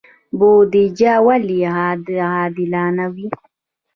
بودجه ولې عادلانه وي؟